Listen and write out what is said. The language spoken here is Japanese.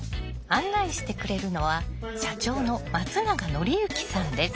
案内してくれるのは社長の松永紀之さんです。